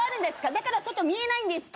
だから外見えないんですか？